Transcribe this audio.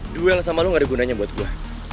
duel sama lo gak ada gunanya buat gue